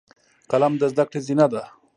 قلم د زده کړې زینه ده